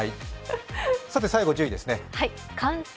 最後１０位ですね。